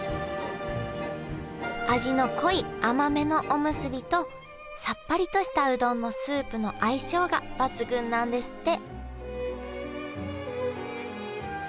味の濃い甘めのおむすびとさっぱりとしたうどんのスープの相性が抜群なんですって